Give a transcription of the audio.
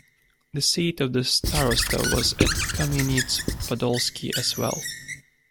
The seat of the starosta was at Kamieniec Podolski as well.